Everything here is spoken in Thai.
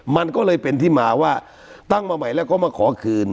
มันก็เลยเป็นที่มาว่าตั้งมาใหม่แล้วก็มาขอคืน